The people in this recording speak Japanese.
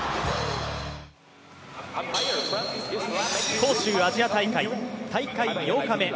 杭州アジア大会、大会８日目。